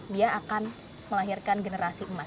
dia akan melahirkan generasi emas